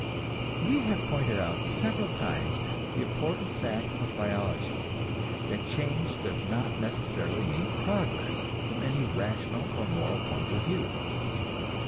We have pointed out several times the important fact of biology that change does not necessarily mean progress from any rational or moral point of view.